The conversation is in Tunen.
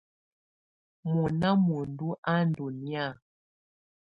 Mɔna muǝndu á ndɔ nɛ̀á.